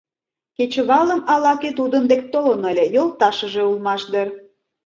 — Кечывалым ала-кӧ тудын дек толын ыле, йолташыже улмаш дыр...